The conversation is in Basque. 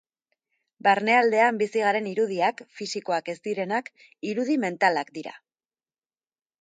Barnealdean bizi garen irudiak, fisikoak ez direnak, irudi mentalak dira.